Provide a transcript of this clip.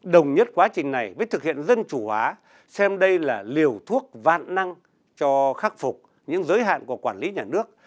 đồng nhất quá trình này với thực hiện dân chủ hóa xem đây là liều thuốc vạn năng cho khắc phục những giới hạn của quản lý nhà nước